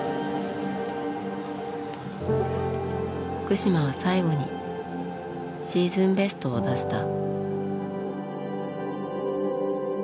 福島は最後にシーズンベストを出した。